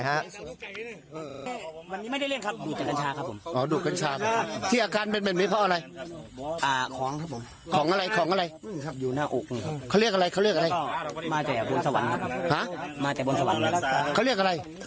มาใจบนสวรรค์